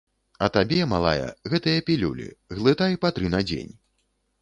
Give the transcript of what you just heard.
А табе, малая, гэтыя пілюлі, глытай па тры на дзень.